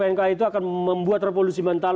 pmk itu akan membuat revolusi mental